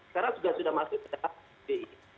sekarang sudah masuk ke cbi